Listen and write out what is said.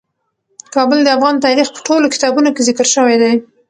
کابل د افغان تاریخ په ټولو کتابونو کې ذکر شوی دی.